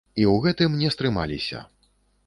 І ў гэтым не стрымаліся.